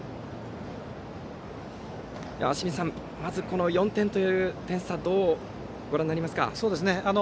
清水さん、まずこの４点という点差をどうご覧になりますか。